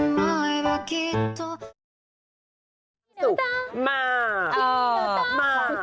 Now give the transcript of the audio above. มาะ